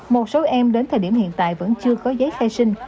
một số em đến thời điểm hiện tại vẫn chưa có giấy khai sinh